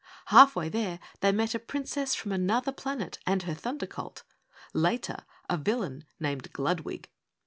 Halfway there they met a Princess from Anuther Planet and her Thunder Colt; later, a villain named Gludwig.